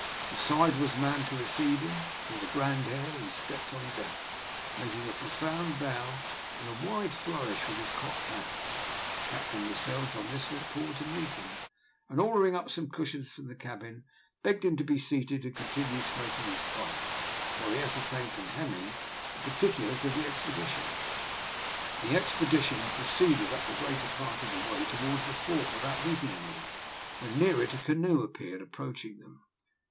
The side was manned to receive him, and with a grand air he stepped on deck, making a profound bow and a wide flourish with his cocked hat. Captain Lascelles, on this, went forward to meet him, and, ordering up some cushions from the cabin, begged him to be seated and to continue smoking his pipe, while he ascertained from Hemming the particulars of the expedition. The expedition had proceeded up the greater part of the way towards the fort without meeting any one. When near it a canoe appeared approaching them.